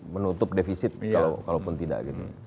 menutup defisit kalau pun tidak